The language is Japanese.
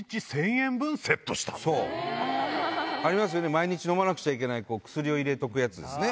毎日飲まなくちゃいけない薬を入れとくやつですね。